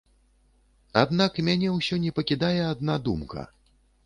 Аднак мяне ўсё не пакідае адна думка.